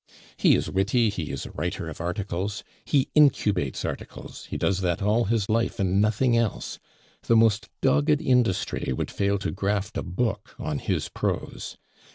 "He is witty, he is a writer of articles. He incubates articles; he does that all his life and nothing else. The most dogged industry would fail to graft a book on his prose.